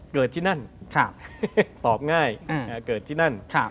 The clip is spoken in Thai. เกิดที่นั่นตอบง่ายเกิดที่นั่น